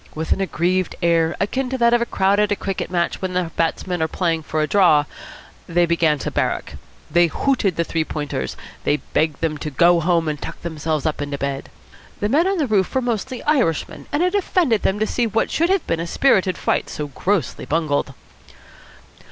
With an aggrieved air, akin to that of a crowd at a cricket match when batsmen are playing for a draw, they began to "barrack." They hooted the Three Pointers. They begged them to go home and tuck themselves up in bed. The men on the roof were mostly Irishmen, and it offended them to see what should have been a spirited fight so grossly bungled.